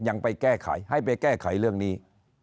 ยังไปแก้ไขให้ไปแก้ไขเรื่องนี้